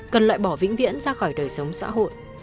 cần loại bỏ vĩnh viễn ra khỏi đời sống xã hội